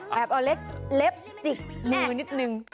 แบบเอาเล็กเล็กจิกมือนิดหนึ่ง